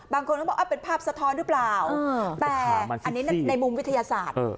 บางคนก็บอกเป็นภาพสะท้อนหรือเปล่าแต่อันนี้ในมุมวิทยาศาสตร์